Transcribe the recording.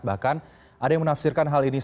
bahkan ada yang menafsirkan hal ini seperti ini